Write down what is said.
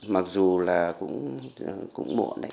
mặc dù là cũng muộn đấy